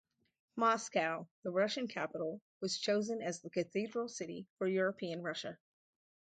Moscow, the Russian capital, was chosen as the cathedral city for European Russia.